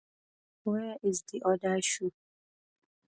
Where is the other shoe?